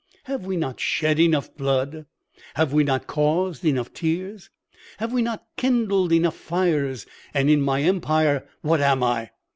Have we not shed enough blood? Have we not caused enough tears? Have we not kindled enough fires? And in my empire what am I?